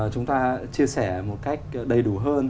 chúng ta chia sẻ một cách đầy đủ hơn